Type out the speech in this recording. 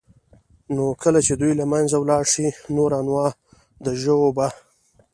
نو كله چي دوى له منځه ولاړ شي نور انواع د ژوو به